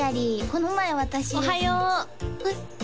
この前私・おはようえっ？